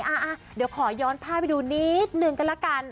อ่ะเดี๋ยวขอย้อนภาพไปดูนิดนึงกันละกัน